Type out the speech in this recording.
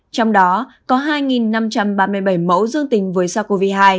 trong đó có hai năm trăm ba mươi bảy mẫu dương tính với sars cov hai